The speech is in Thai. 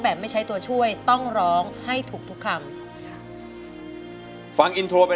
แบบไม่ใช่ตัวช่วยต้องร้องให้ถูกทุกคำค่ะฟังไป